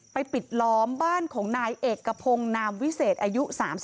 ปิดล้อมบ้านของนายเอกพงศ์นามวิเศษอายุ๓๒